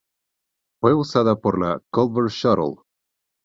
Fue usada por la Culver Shuttle.